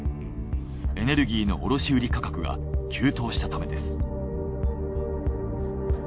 エネルギーの卸売価格が急騰したためです。